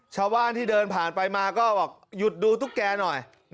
ชาวบ้านที่เดินผ่านไปมาก็บอกหยุดดูตุ๊กแกหน่อย